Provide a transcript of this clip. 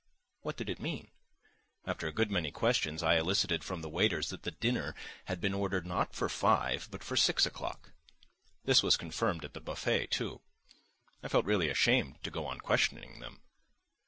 What did it mean? After a good many questions I elicited from the waiters that the dinner had been ordered not for five, but for six o'clock. This was confirmed at the buffet too. I felt really ashamed to go on questioning them.